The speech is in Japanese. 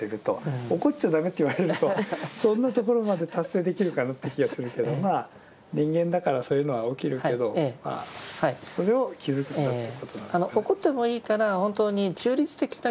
起こっちゃ駄目って言われるとそんなところまで達成できるかなって気がするけど人間だからそういうのは起きるけどそれを気づくんだっていうことなんですかね。